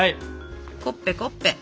コッペコッペ。